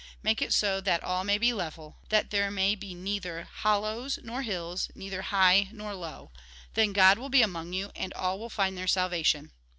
Make it so that all may be level, that there may be neither hollows nor hills, neither high nor low. Then God will be among you, and all will find their salvation."